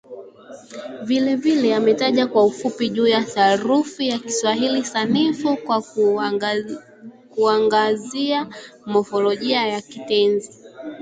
Vilevile ametaja kwa ufupi juu ya sarufi ya Kiswahili Sanifu kwa kuangazia mofolojia ya kitenzi